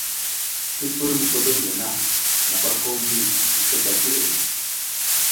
Ki pur mogodok le na, naɓa ko mbri use da gweʼe.